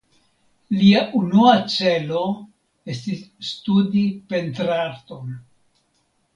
Lia unua celo estis studi pentrarton.